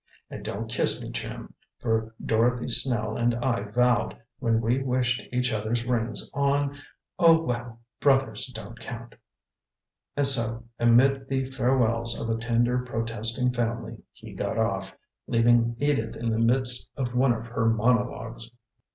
And don't kiss me, Jim, for Dorothy Snell and I vowed, when we wished each other's rings on Oh, well, brothers don't count." And so, amid the farewells of a tender, protesting family, he got off, leaving Edith in the midst of one of her monologues.